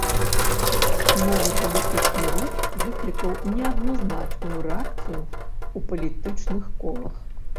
Новы палітычны рух выклікаў неадназначную рэакцыю ў палітычных колах.